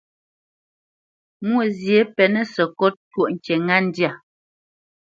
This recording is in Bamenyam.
Mwôzyě pɛnǝ́ sǝkôt twóʼ ŋkǐ ŋá ndyâ.